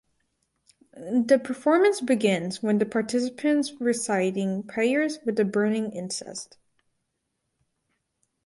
The performance begins when the participants reciting prayers with the burning incense.